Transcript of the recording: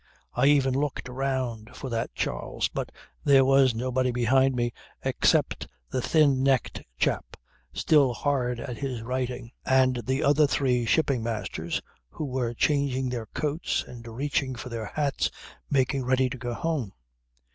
I even looked round for that Charles but there was nobody behind me except the thin necked chap still hard at his writing, and the other three Shipping Masters who were changing their coats and reaching for their hats, making ready to go home.